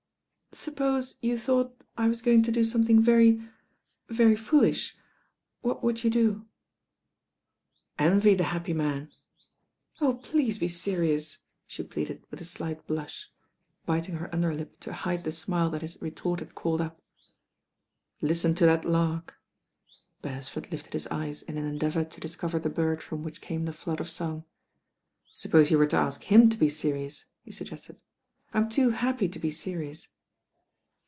•'Suppose you thought I was going to do some thing very— very foolish, what would you do?" ••Envy the happy man." ••Oh, please be* serious," she pleaded with a slight bhish, biting her under lip to hide the smile that his retort had called up. •'Listen to that lark." Beresford lifted his eyes in an endeavour to discover the bird from which came the flood of song. "Suppose you were to ask him to be serious," he suggested. "I'm too happy to be serious."